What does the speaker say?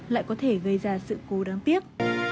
lại có thể gây ra sự cố đáng tiếc